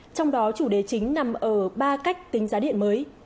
trong đó chủ đề chính nằm ở ba cách tính giá điện mới